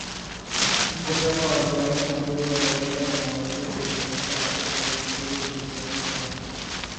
Mkutano wa arobaini na mbili wa Baraza la Mawaziri ulifanyika Arusha, wiki mbili zilizopita.